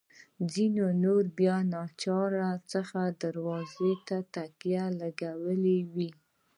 ځینو نورو بیا له ناچارۍ څخه دروازو ته تکیې لګولي وې.